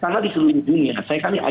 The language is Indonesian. karena di seluruh dunia saya kan ini